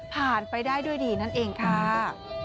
ไปได้ด้วยดีนั่นเองค่ะ